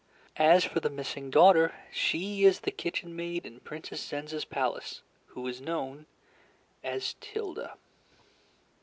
As for the missing daughter, she is the kitchen maid in Princess Zenza's palace, who is known as Tilda."